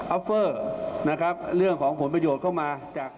อฟเฟอร์นะครับเรื่องของผลประโยชน์เข้ามาจาก